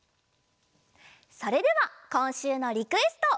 それではこんしゅうのリクエスト！